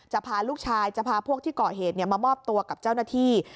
พาลูกชายจะพาพวกที่ก่อเหตุมามอบตัวกับเจ้าหน้าที่